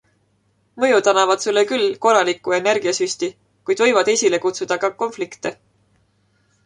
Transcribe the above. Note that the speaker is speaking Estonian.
Mõjud annavad sulle küll korraliku energiasüsti, kuid võivad esile kutsuda ka konflikte.